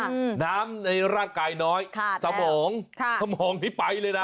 น้ำในร่างกายน้อยสมองไม่ไปเลยนะ